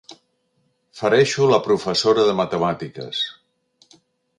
Fereixo la professora de matemàtiques.